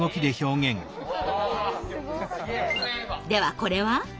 ではこれは？